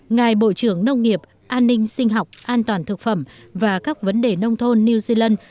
ngài bộ trưởng nông nghiệp an ninh sinh học an toàn thực phẩm và các vấn đề nông thôn new zealand